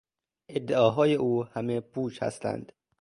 ادعاهای او همه پوچ هستند.